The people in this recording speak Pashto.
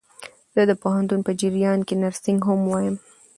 زه د پوهنتون په جریان کښي نرسينګ هم وايم.